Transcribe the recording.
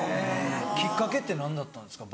きっかけって何だったんですか？